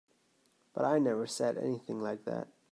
But I never said anything like that.